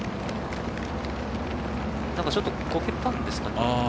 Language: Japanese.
ちょっとこけたんですかね。